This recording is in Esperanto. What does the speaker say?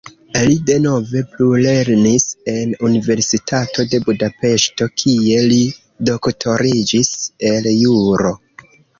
Li denove plulernis en Universitato de Budapeŝto, kie li doktoriĝis el juro.